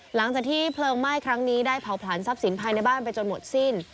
หลังจากที่เพลิงไหม้ครั้งนี้ได้เผาผลันทรัพย์สินภายในบ้านไปจนหมดสิ้น